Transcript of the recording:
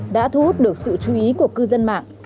đã thu hút được sự chú ý của cư dân mạng